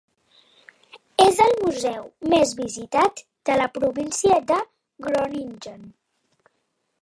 És el museu més visitat de la província de Groningen.